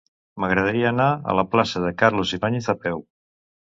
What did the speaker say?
M'agradaria anar a la plaça de Carlos Ibáñez a peu.